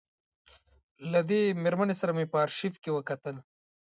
له دې مېرمنې سره مې په آرشیف کې وکتل.